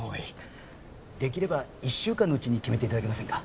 できれば１週間のうちに決めて頂けませんか。